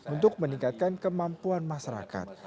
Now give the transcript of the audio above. untuk meningkatkan kemampuan masyarakat